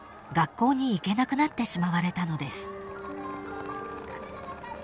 学校に行けなくなってしまわれたのです］